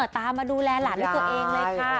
ตามาดูแลหลัดลูกตัวเองเลยค่ะ